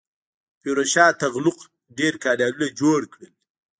فیروز شاه تغلق ډیر کانالونه جوړ کړل.